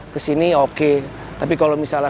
kesini oke tapi kalau misalnya